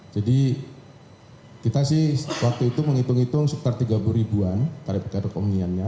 jadi kita sih waktu itu menghitung hitung sekitar rp tiga puluh an tarif keekonomiannya